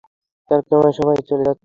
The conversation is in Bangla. তালাকনামায় সই করে চলে যাচ্ছো না কেন?